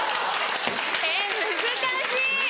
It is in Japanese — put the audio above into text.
えっ難しい！